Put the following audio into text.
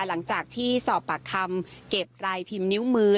หลังจากที่สอบปากคำเก็บรายพิมพ์นิ้วมือ